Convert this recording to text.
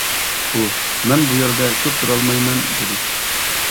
ئۇ «مەن بۇ يەردە كۆپ تۇرالمايمەن» دېدى.